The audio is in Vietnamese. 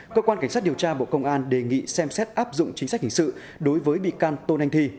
cơ quan cảnh sát điều tra bộ công an đề nghị xem xét áp dụng chính sách hình sự đối với bị can tôn anh thi